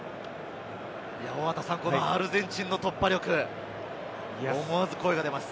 アルゼンチンの突破力、思わず声が出ます。